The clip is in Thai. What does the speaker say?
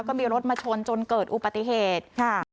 ก็มีรถมาชนจนเกิดอุปติเหตุค่ะ